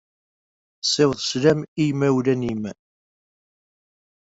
Ssiweḍ sslam i yimawlan-nnem.